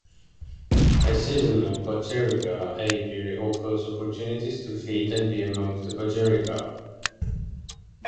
A seasonal budgerigar aviary offers opportunities to feed and be amongst the budgerigar.